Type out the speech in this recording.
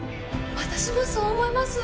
私もそう思います！